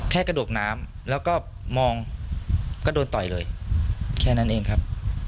แค่กระโดดน้ำแล้วก็มองก็โดนต่อยเลยแค่นั้นเองครับ